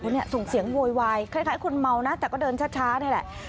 นี่ส่งเสียงโวยวายคล้ายคนเมานะแต่ก็เดินช้านี่แหละ